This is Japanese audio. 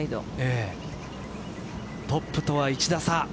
トップとは１打差。